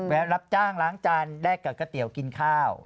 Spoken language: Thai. รับจ้างล้างจานได้กับก๋วยเตี๋ยวกินข้าว